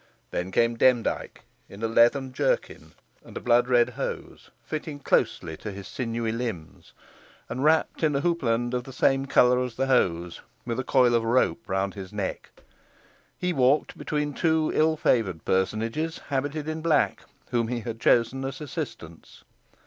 Then came Demdike, in a leathern jerkin and blood red hose, fitting closely to his sinewy limbs, and wrapped in a houppeland of the same colour as the hose, with a coil of rope round his neck. He walked between two ill favoured personages habited in black, whom he had chosen as assistants.